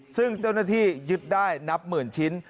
ซึ่งเจ้าหน้าที่ยึดได้นับหมื่นชิ้น